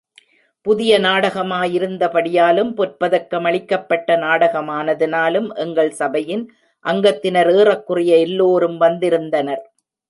புதிய நாடகமாயிருந்தபடியாலும் பொற்பதக்க மளிக்கப்பட்ட நாடகமானதனாலும், எங்கள் சபையின் அங்கத்தினர் ஏறக்குறைய எல்லோரும் வந்திருந்தனர்.